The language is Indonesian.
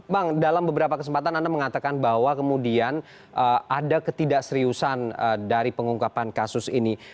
bang dalam beberapa kesempatan anda mengatakan bahwa kemudian ada ketidakseriusan dari pengungkapan kasus ini